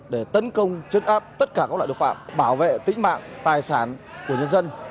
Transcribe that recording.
để tấn công chấn áp tất cả các loại tội phạm bảo vệ tính mạng tài sản của nhân dân